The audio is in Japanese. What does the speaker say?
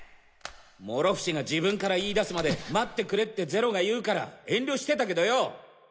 諸伏が自分から言いだすまで待ってくれってゼロが言うから遠慮してたけどよ